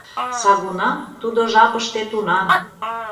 Сагунам — тудо жапыште, тунам.